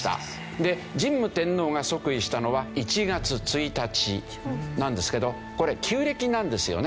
で神武天皇が即位したのは１月１日なんですけどこれ旧暦なんですよね。